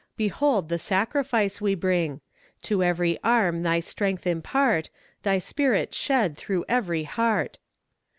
Behold the sacrifice we bring! To every arm thy strength impart, Thy spirit shed through every heart!